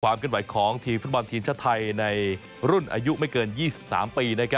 ขึ้นไหวของทีมฟุตบอลทีมชาติไทยในรุ่นอายุไม่เกิน๒๓ปี